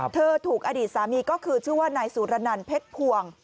ถูกอดีตสามีก็คือชื่อว่านายสุรนันเพชรพวง